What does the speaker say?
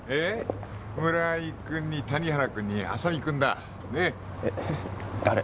村井君に谷原君に浅見君だえッ誰？